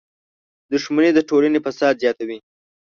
• دښمني د ټولنې فساد زیاتوي.